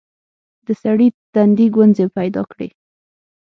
د سړي تندي ګونځې پيداکړې.